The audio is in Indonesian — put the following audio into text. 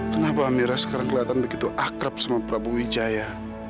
kenapa mira sekarang kelihatan begitu akrab sama prabu wijaya